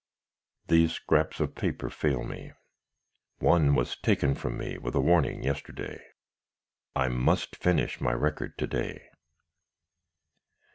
"These scraps of paper fail me. One was taken from me, with a warning, yesterday. I must finish my record to day.